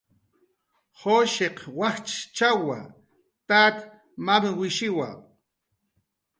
Jushiq wachchawa, tat mamawishiwa